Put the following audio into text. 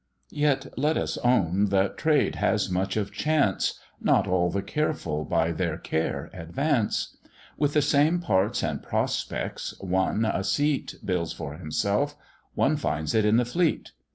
Yet let us own that Trade has much of chance, Not all the careful by their care advance; With the same parts and prospects, one a seat Builds for himself; one finds it in the Fleet.